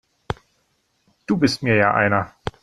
Du bist mir ja einer!